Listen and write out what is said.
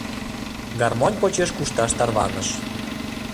Гармонь почеш кушташ тарваныш.